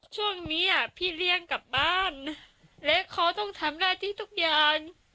ช่วงนี้พี่เลี่ยงกลับบ้านและเขาต้องทำหน้าที่ทุกอย่าง